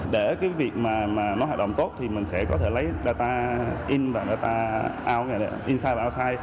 để cái việc mà nó hoạt động tốt thì mình sẽ có thể lấy data in và data out